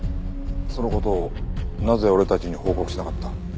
その事をなぜ俺たちに報告しなかった？